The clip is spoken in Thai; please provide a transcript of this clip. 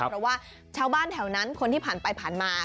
เพราะว่าชาวบ้านแถวนั้นคนที่ผ่านไปผ่านมา